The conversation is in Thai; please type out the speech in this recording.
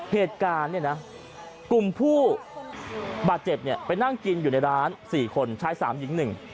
เหตุการณ์กลุ่มผู้บาดเจ็บไปนั่งกินอยู่ในร้าน๔คนชาย๓หญิง๑